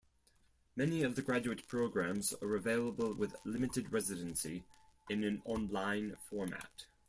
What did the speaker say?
Many of the graduate programs are available with limited residency in an on-line format.